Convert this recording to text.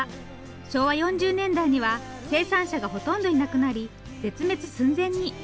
昭和４０年代には生産者がほとんどいなくなり絶滅寸前に。